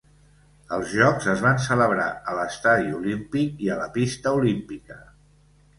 Els jocs es van celebrar a l'estadi olímpic i a la pista olímpica.